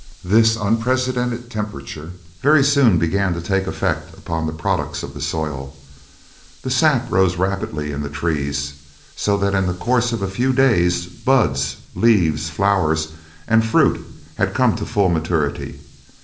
This unprecedented temperature very soon began to take effect upon the products of the soil. The sap rose rapidly in the trees, so that in the course of a few days buds, leaves, flowers, and fruit had come to full maturity.